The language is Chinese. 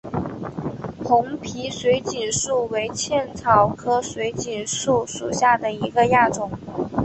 红皮水锦树为茜草科水锦树属下的一个亚种。